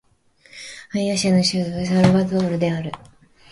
バイーア州の州都はサルヴァドールである